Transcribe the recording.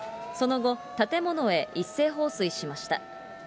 その後、建物へ一斉放水しました。